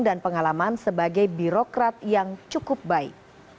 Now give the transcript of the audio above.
dan pengalaman sebagai birokrat yang cukup baik